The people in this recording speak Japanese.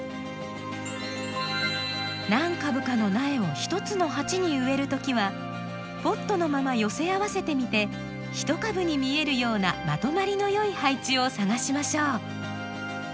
何株かの苗を１つの鉢に植えるときはポットのまま寄せ合わせてみて１株に見えるようなまとまりのよい配置を探しましょう。